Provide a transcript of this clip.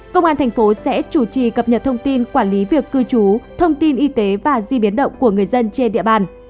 công an thành phố sẽ chủ trì cập nhật thông tin quản lý việc cư trú thông tin y tế và di biến động của người dân trên địa bàn